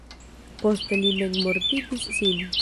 Poste li memmortigis sin.